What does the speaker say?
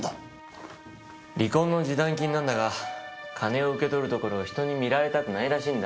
離婚の示談金なんだが金を受け取るところを人に見られたくないらしいんだ